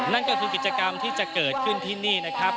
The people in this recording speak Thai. นั่นก็คือกิจกรรมที่จะเกิดขึ้นที่นี่นะครับ